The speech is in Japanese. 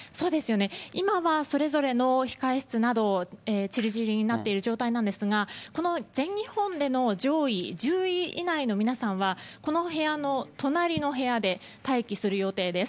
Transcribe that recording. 今はそれぞれの控え室などちりぢりになっている状態なんですがこの全日本での上位１０位以内の皆さんはこの部屋の隣の部屋で待機する予定です。